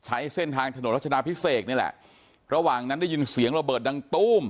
ใช้เส้นทางถนนรัชดาพิเศษนี่แหละระหว่างนั้นได้ยินเสียงระเบิดดังตู้ม